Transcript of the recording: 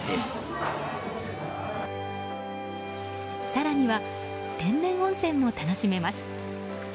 更には、天然温泉も楽しめます。